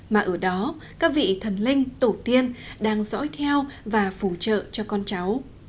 mà ở đó các vị thần linh tổ tiên đang dõi theo và phụ trợ cho con cháu